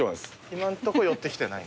今んとこ寄ってきてない。